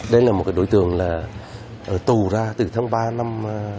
đây là một cái đối tượng là ở tù ra từ tháng ba năm hai nghìn chín